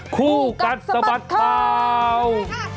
คู่กัดสะบัดครับ